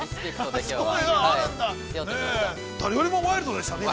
◆誰よりもワイルドでしたね。